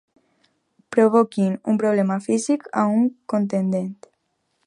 Provoquin un problema físic a un contendent.